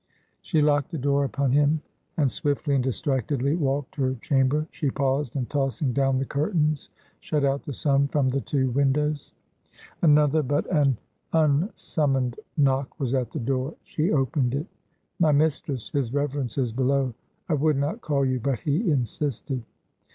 She locked the door upon him, and swiftly and distractedly walked her chamber. She paused, and tossing down the curtains, shut out the sun from the two windows. Another, but an unsummoned knock, was at the door. She opened it. "My mistress, his Reverence is below. I would not call you, but he insisted."